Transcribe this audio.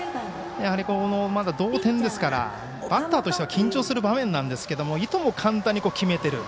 まだ同点ですからバッターとしては緊張する場面なんですけれどもいとも簡単に決めている。